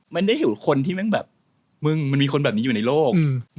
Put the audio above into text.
มันได้เห็นคนที่แม่งแบบมึงมันมีคนแบบนี้อยู่ในโลก